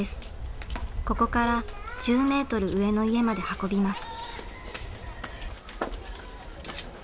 ここから１０ｍ上の家まで運びます。